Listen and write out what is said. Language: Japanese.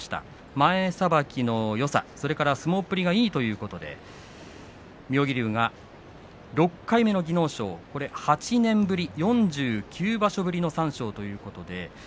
前さばきのよさ、それから相撲ぶりがいいということで妙義龍が６回目の技能賞８年ぶり４９場所ぶりの三賞ということです。